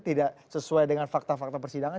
tidak sesuai dengan fakta fakta persidangan